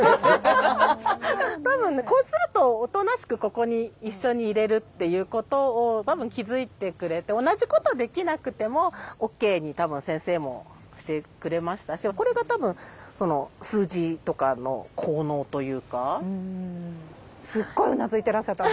多分ねこうするとおとなしくここに一緒にいれるっていうことを多分気付いてくれて同じことをできなくてもＯＫに多分先生もしてくれましたしこれが多分すっごいうなずいてらっしゃった。